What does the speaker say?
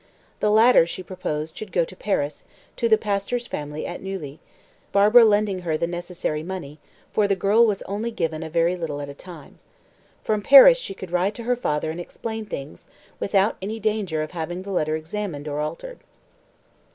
The latter, she proposed, should go to Paris, to the pastor's family at Neuilly, Barbara lending her the necessary money, for the girl was only given a very little at a time. From Paris she could write to her father and explain things, without any danger of having the letter examined or altered.